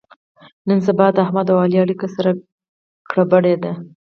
نن سبا د احمد او علي اړیکه سره ګړبړ ده.